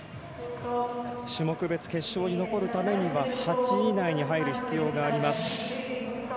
種目別決勝に残るためには８位以内に入る必要があります。